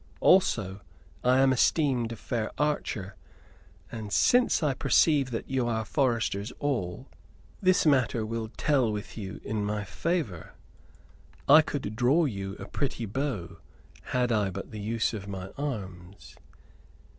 Also, I am esteemed a fair archer, and, since I perceive that you are foresters all, this matter will tell with you in my favor. I could draw you a pretty bow had I but the use of my arms."